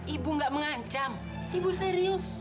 ibu gak mengancam ibu serius